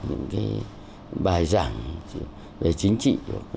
những cái bài giảng về chính trị